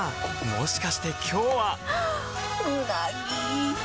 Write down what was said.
もしかして今日ははっ！